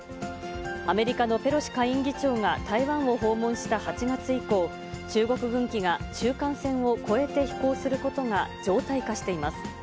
アメリカのペロシ下院議長が台湾を訪問した８月以降、中国軍機が中間線を越えて飛行することが常態化しています。